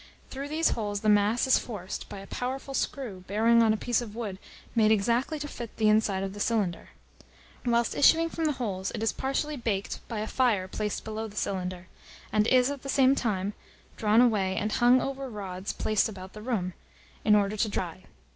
Through these holes the mass is forced by a powerful screw bearing on a piece of wood made exactly to fit the inside of the cylinder. Whilst issuing from the holes, it is partially baked by a fire placed below the cylinder, and is, at the same time, drawn away and hung over rods placed about the room, in order to dry.